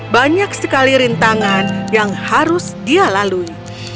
banyak sekali rintangan yang harus dia lalui